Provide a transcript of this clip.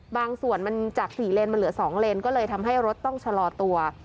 บางส่วนมันจาก๔เลนมันเหลือ๒เลนก็เลยทำให้รถต้องชะลอตัว